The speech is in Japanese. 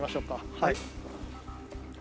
はい。